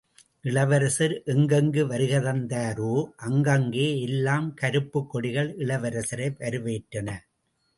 இளவரசர் எங்கெங்கு வருகை தந்தாரோ, அங்கங்கே எல்லாம் கருப்புக் கொடிகள் இளவரசரை வரவேற்றன.